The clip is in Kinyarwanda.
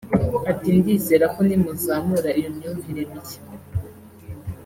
Ati “Ndizera ko nimuzamura iyo myumvire mishya